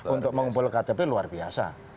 untuk mengumpul ktp luar biasa